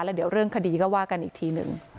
แล้วเดี๋ยวเรื่องคดีก็ว่ากันอีกทีหนึ่ง